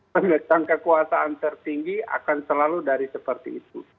penentang kekuasaan tertinggi akan selalu dari seperti itu